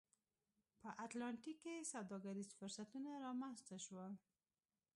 په اتلانتیک کې سوداګریز فرصتونه رامنځته شول.